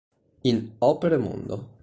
In "Opere mondo.